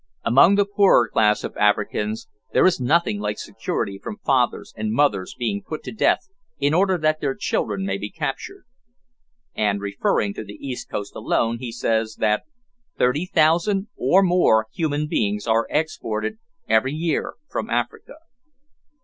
Among the poorer class of Africans there is nothing like security from fathers and mothers being put to death in order that their children may be captured;" and, referring to the east coast alone, he says that "thirty thousand, or more, human beings, are exported every year from Africa."